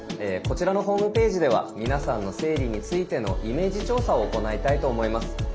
こちらのホームページでは皆さんの生理についてのイメージ調査を行いたいと思います。